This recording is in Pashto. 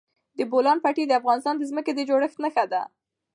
د بولان پټي د افغانستان د ځمکې د جوړښت نښه ده.